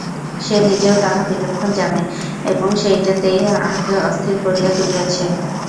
সে নিজেও তাহা বিলক্ষণ জানে এবং সেইটেতেই তাহাকে অস্থির করিয়া তুলিয়াছে।